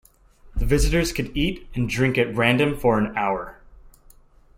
The visitors could eat and drink at random for an hour.